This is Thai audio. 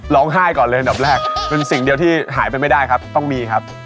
ก่อนเลยอันดับแรกเป็นสิ่งเดียวที่หายไปไม่ได้ครับต้องมีครับ